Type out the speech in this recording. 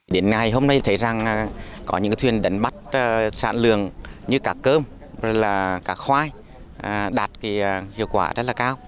đến ngày hôm nay thấy rằng có những thuyền đánh bắt sản lượng như cá cơm là cá khoai đạt hiệu quả rất là cao